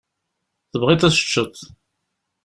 Tebɣiḍ ad teččeḍ.